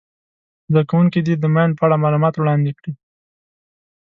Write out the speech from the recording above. زده کوونکي دې د ماین په اړه معلومات وړاندي کړي.